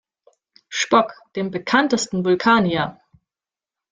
Spock, dem bekanntesten Vulkanier.